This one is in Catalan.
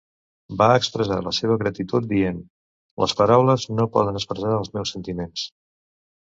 Va expressar la seva gratitud dient: Les paraules no poden expressar els meus sentiments.